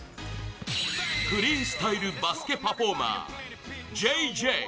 フリースタイルバスケパフォーマー、ＪＪ。